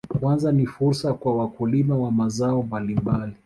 Kwanza ni fursa kwa wakulima wa mazao mbalimbali